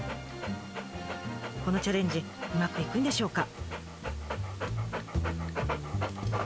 このチャレンジうまくいくんでしょうか？